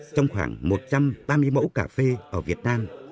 trong khoảng một trăm ba mươi mẫu cà phê ở việt nam